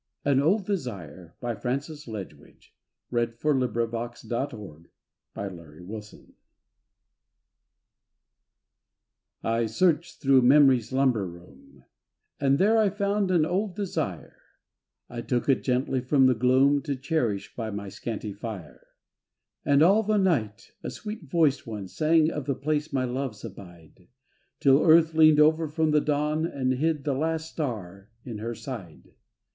I would be wild and free And with the shadow people be. IN BARRACKS AN OLD DESIRE I SEARCHED thro' memory's lumber room And there I found an old desire, I took it gently from the gloom To cherish by my scanty fire. And all the night a sweet voiced one, Sang of the place my loves abide, 'Til Earth leaned over from the dawn And hid the last star in her side.